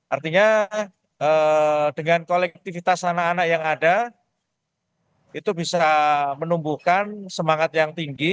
artinya dengan kolektivitas anak anak yang ada itu bisa menumbuhkan semangat yang tinggi